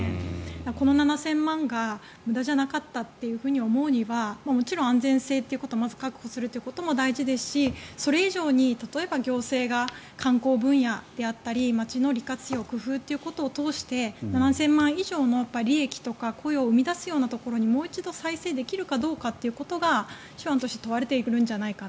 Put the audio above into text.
この７０００万円が無駄じゃなかったと思うにはもちろん安全性ということを確保することも大事ですし、それ以上に例えば行政が観光分野であったり街の利活用工夫ということを通して７０００万円以上の利益とか雇用を生み出すようなところにもう一度再生できるかどうかということが手腕として問われてくるんじゃないか。